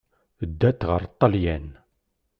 Ddant ɣer Ṭṭalyan.